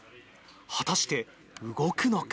果たして動くのか。